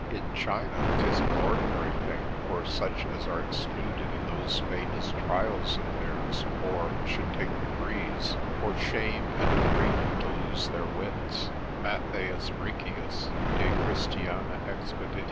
In China 'tis an ordinary thing for such as are excluded in those famous trials of theirs, or should take degrees, for shame and grief to lose their wits, Mat Riccius expedit.